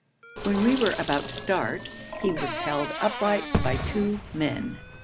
When we were about to start, he was held upright by two men.